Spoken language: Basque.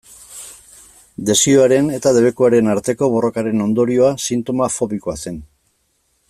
Desioaren eta debekuaren arteko borrokaren ondorioa sintoma fobikoa zen.